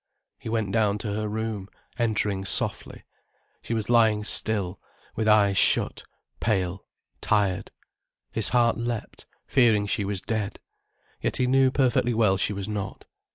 He went down to her room, entering softly. She was lying still, with eyes shut, pale, tired. His heart leapt, fearing she was dead. Yet he knew perfectly well she was not.